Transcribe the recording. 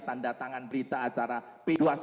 tanda tangan berita acara p dua puluh satu